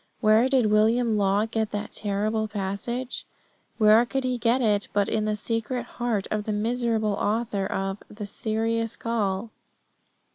Where did William Law get that terrible passage? Where could he get it but in the secret heart of the miserable author of the Serious Call?